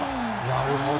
なるほど。